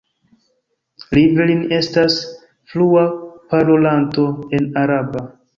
Rivlin estas flua parolanto en araba.